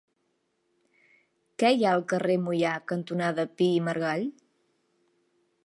Què hi ha al carrer Moià cantonada Pi i Margall?